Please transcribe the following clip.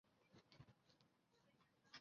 自由阵线党后来改名为民主党。